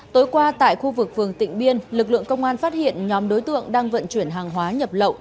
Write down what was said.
tối qua tại khu vực vườn tỉnh biên lực lượng công an phát hiện nhóm đối tượng đang vận chuyển hàng hóa nhập lậu